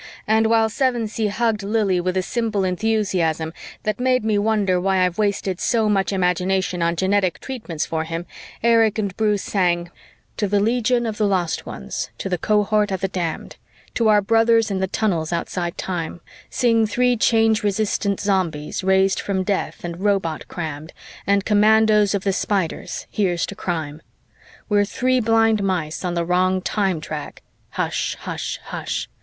And while Sevensee hugged Lili with a simple enthusiasm that made me wonder why I've wasted so much imagination on genetic treatments for him, Erich and Bruce sang: "_To the legion of the lost ones, to the cohort of the damned, To our brothers in the tunnels outside time, Sing three Change resistant Zombies, raised from death and robot crammed, And Commandos of the Spiders Here's to crime! We're three blind mice on the wrong time track, Hush hush hush!